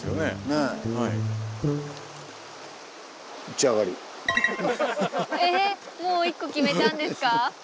ええっもう１個決めたんですか？